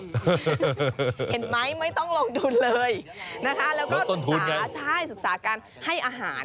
เห็นไหมไม่ต้องลงทุนเลยแล้วก็ศึกษาการให้อาหาร